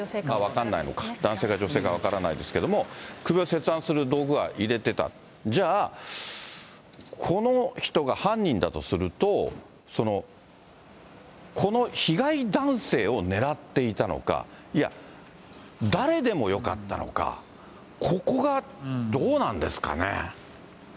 分からないのか、男性か女性か分からないですけども、首を切断する道具は入れてた、じゃあ、この人が犯人だとすると、この被害男性を狙っていたのか、いや、誰でもよかったのか、ここが、どうなんですかね。